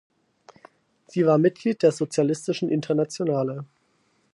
Sie war Mitglied der Sozialistischen Internationale.